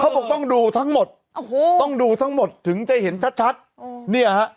บอกต้องดูทั้งหมดโอ้โหต้องดูทั้งหมดถึงจะเห็นชัดชัดเนี่ยฮะ